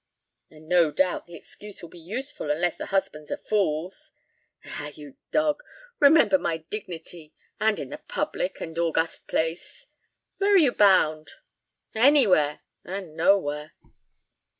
"And no doubt the excuse will be useful, unless the husbands are fools." "Ah, you dog! Remember my dignity, and in the public and august place. Where are you bound?" "Anywhere—and nowhere."